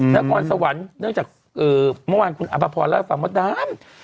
นำคนสวรรค์เนื้อจากเอ่อเมื่อวานคุณอาบบาพรรดิฝังว่าตั้ม